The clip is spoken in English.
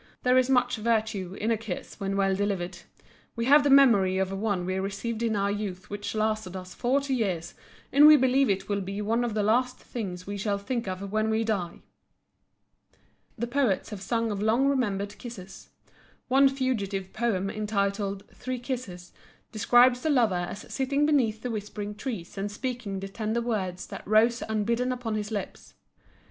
There is much virtue in a kiss when well delivered. We have the memory of one we received in our youth which lasted us forty years, and we believe it will be one of the last things we shall think of when we die." The poets have sung of long remembered kisses. One fugitive poem entitled "Three Kisses" describes the lover as sitting beneath the whispering trees and speaking the tender words that rose unbidden upon his lips.